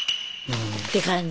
って感じ。